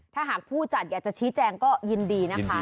ถ้าหากผู้จัดอยากจะชี้แจงก็ยินดีนะคะ